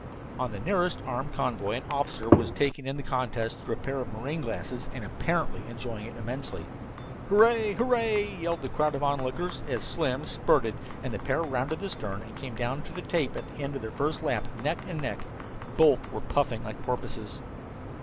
On the nearest armed convoy an officer was taking in the contest through a pair of marine glasses, and apparently enjoying it immensely. "Hooray! Hooray!" yelled the crowd of onlookers as Slim spurted and the pair rounded the stern and came down to the tape at the end of their first lap, neck and neck. Both were puffing like porpoises.